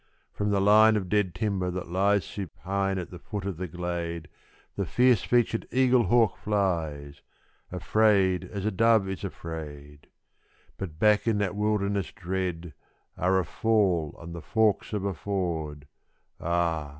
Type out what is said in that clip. From the line of dead timber that lies supine at the foot of the glade, The fierce featured eaglehawk flies afraid as a dove is afraid; But back in that wilderness dread are a fall and the forks of a ford _Ah!